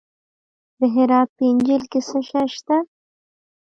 د هرات په انجیل کې څه شی شته؟